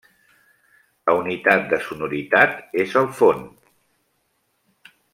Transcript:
La unitat de sonoritat és el fon.